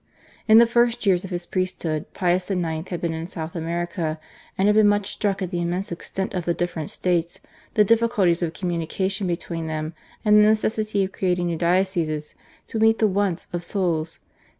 In the first years of his priesthood Pius IX. had been in South America, and had been much struck at the immense extent of the different States, the difficulties of communication between them, and the necessity of creating new dioceses to meet the wants of souls.